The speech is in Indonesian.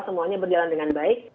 semuanya berjalan dengan baik